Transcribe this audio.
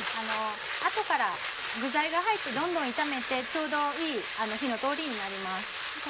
後から具材が入ってどんどん炒めてちょうどいい火の通りになります。